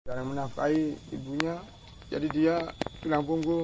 jangan menafkahi ibunya jadi dia itu langpung gue